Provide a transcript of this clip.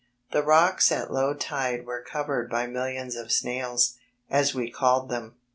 The rocks at low ride were covered by millions of snails, as we called them.